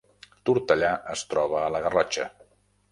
Tortellà es troba a la Garrotxa